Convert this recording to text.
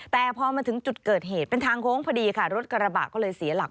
แต่พอมาถึงจุดเกิดเหตุเป็นทางโค้งพอดีค่ะรถกระบะก็เลยเสียหลัก